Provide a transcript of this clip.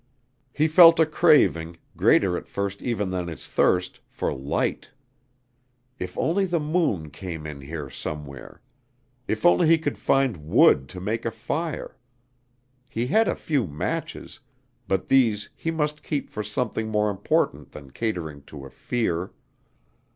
He felt a craving, greater at first even than his thirst, for light. If only the moon came in here somewhere; if only he could find wood to make a fire. He had a few matches, but these he must keep for something more important than catering to a fear.